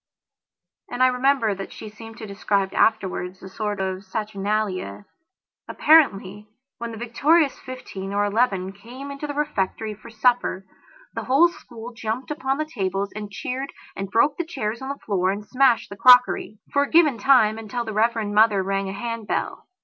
And I remember that she seemed to describe afterwards a sort of saturnalia. Apparently, when the victorious fifteen or eleven came into the refectory for supper, the whole school jumped upon the tables and cheered and broke the chairs on the floor and smashed the crockeryfor a given time, until the Reverend Mother rang a hand bell.